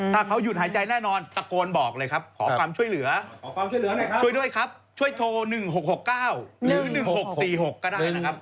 ถ้าเขาหยุดหายใจแน่นอนตะโกนบอกเลยครับขอความช่วยเหลือหน่อยช่วยด้วยครับช่วยโทร๑๖๖๙หรือ๑๖๔๖ก็ได้นะครับ